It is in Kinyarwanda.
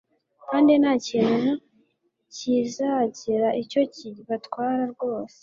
kandi nta kintu kizagira icyo kibatwara rwose.»